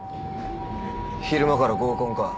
昼間から合コンか。